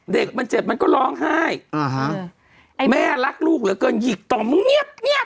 เด็กมันเจ็บมันก็ร้องไห้อ่าฮะแม่รักลูกเหลือเกินหยิกต่อมึงเงียบเงียบ